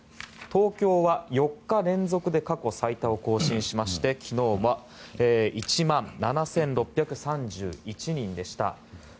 東京は４日連続で過去最多を更新しまして昨日は１万７６３１人でした。